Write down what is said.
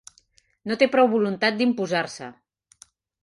No té prou voluntat d'imposar-se.